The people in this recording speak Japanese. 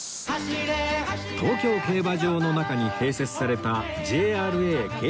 東京競馬場の中に併設された ＪＲＡ 競馬博物館